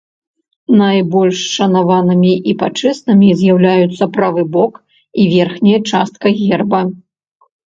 Найбольш шанаванымі і пачэснымі з'яўляюцца правы бок і верхняя частка герба.